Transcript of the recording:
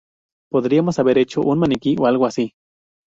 Podríamos haber hecho un maniquí o algo así.